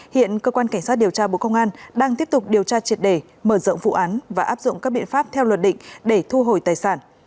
hiện cơ quan cảnh sát điều tra bộ công an đang tiếp tục điều tra triệt đề mở rộng vụ án và áp dụng các biện pháp theo luật định để thu hồi tài sản